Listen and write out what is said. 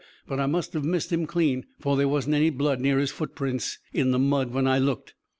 But I must have missed him, clean. For there wasn't any blood near his footprints, in the mud, when I looked.